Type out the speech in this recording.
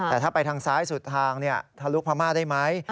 แต่ถ้าไปทางซ้ายสุดทางทะลุพม่าได้ไหม